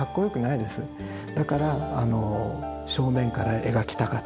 だからあの正面から描きたかった。